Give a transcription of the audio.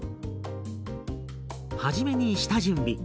はじめに下準備。